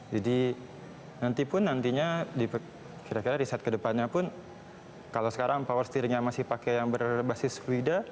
jadi nantinya kira kira riset ke depannya pun kalau sekarang power steeringnya masih pakai yang berbasis fluida